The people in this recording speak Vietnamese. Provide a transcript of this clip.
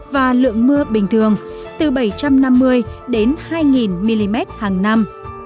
và lượng mưa bình thường từ bảy trăm năm mươi đến hai nghìn mm hằng năm